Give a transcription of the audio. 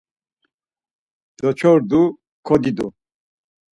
Doç̌ordu kodidu.